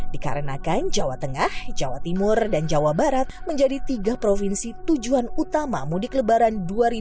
dikarenakan jawa tengah jawa timur dan jawa barat menjadi tiga provinsi tujuan utama mudik lebaran dua ribu dua puluh